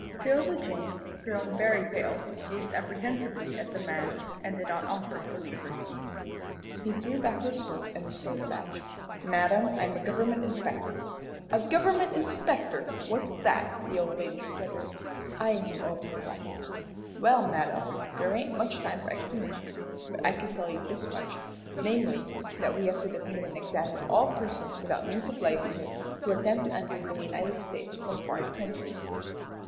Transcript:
'Tilda Jane, grown very pale, gazed apprehensively at the man, and did not offer to leave her seat. He threw back his coat and displayed a badge. "Madam, I'm a government inspector." "A government inspector! What's that?" the old lady spluttered, eyeing him over her glasses. "Well, madam, there ain't much time for explanation, but I can tell you this much, namely, that we have to detain and examine all persons without means of livelihood who attempt to enter the United States from foreign countries."